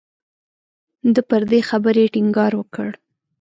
ده پر دې خبرې ټینګار وکړ.